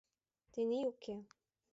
Тений уке...